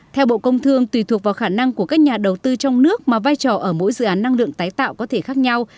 theo bộ công thương tùy thuộc vào khả năng của các nhà đầu tư trong nước mà vai trò ở mỗi dự án năng lượng tái tạo có thể khác nhau